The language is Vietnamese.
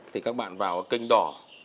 thì các bạn vào cái kênh đỏ